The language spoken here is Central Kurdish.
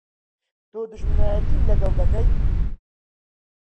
تۆ دوژمنایەتیم لەگەڵ دەکەی!